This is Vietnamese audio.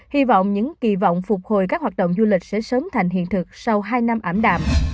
hy vọng những kỳ vọng phục hồi các hoạt động du lịch sẽ sớm thành hiện thực sau hai năm ảm đạm